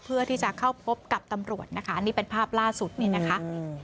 เพื่อที่จะเข้าพบกับตำรวจนะคะนี่เป็นภาพล่าสุดนี่นะคะ